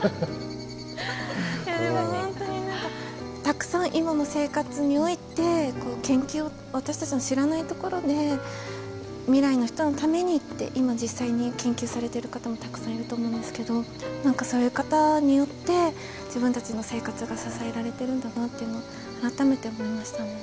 いやでも本当に何かたくさん今の生活においてこう研究を私たちの知らないところで未来の人のためにって今実際に研究されている方もたくさんいると思うんですけど何かそういう方によって自分たちの生活が支えられてるんだなっていうのを改めて思いましたね。